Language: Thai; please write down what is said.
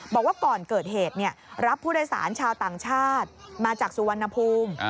บอกว่าก่อนเกิดเหตุรับผู้โดยสารชาวต่างชาติมาจากสุวรรณภูมิ